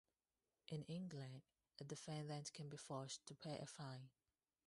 In England a defendant can be forced to pay a fine.